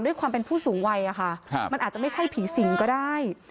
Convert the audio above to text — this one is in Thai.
ด้วยความเป็นผู้สูงวัยค่ะมันอาจจะไม่ใช่ผีสิงก็ได้